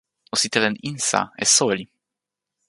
o sitelen insa e soweli.